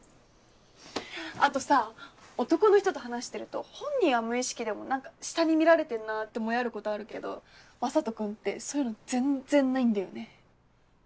あとさ男の人と話してると本人は無意識でも何か下に見られてんなぁってモヤることあるけど雅人君ってそういうの全っ然ないんだよね。